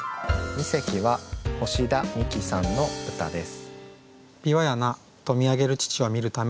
二席は星田美紀さんの歌です。